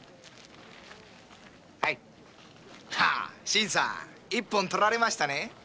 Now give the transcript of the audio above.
新さん１本とられましたね。